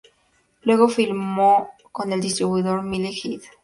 Luego filmó con el distribuidor Mile High.